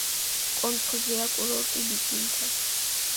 კონცხზეა კურორტი ბიჭვინთა.